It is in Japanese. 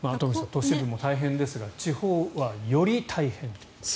都市部も大変ですが地方は、より大変という。